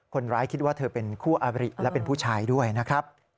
คิดว่าเธอเป็นคู่อบริและเป็นผู้ชายด้วยนะครับ